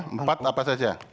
empat apa saja